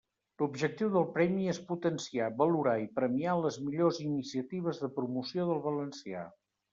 L'objectiu del premi és potenciar, valorar i premiar les millors iniciatives de promoció del valencià.